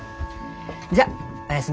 じゃおやすみ。